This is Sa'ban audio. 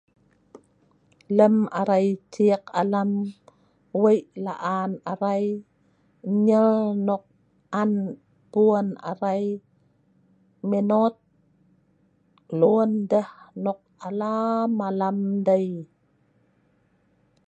Lem arai ciek alam wei la'an arai nyel nok an Pun' arai minot luen deh nok alaam-alaam dei.